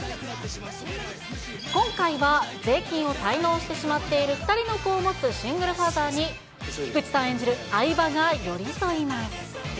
今回は、税金を滞納してしまっている２人の子を持つシングルファーザーに、菊池さん演じる饗庭が寄り添います。